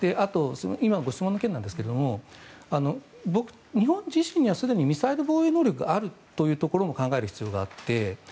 今のご質問の件ですが日本自身にはすでにミサイル防衛能力があるというところも考える必要があって。